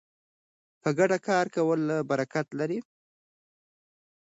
په ګډه کار کول برکت لري.